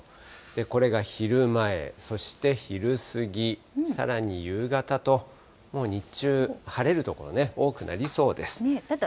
これが昼前、そして昼過ぎ、さらに夕方と、もう日中、晴れる所多ただ